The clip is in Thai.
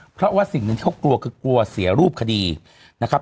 เพราะว่าสิ่งหนึ่งที่เขากลัวคือกลัวเสียรูปคดีนะครับ